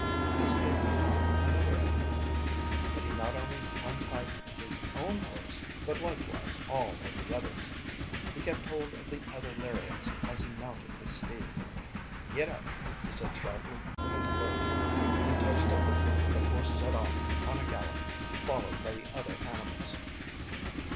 This gave Tom another idea, and he not only untied his own horse but likewise all of the others. He kept hold of the other lariats as he mounted his steed. "Get up!" he said sharply but in a low tone, and touched on the flank the horse set off on a gallop, followed by the other animals.